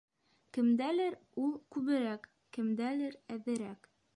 Кемдәлер ул күберәк, кемдәлер - әҙерәк.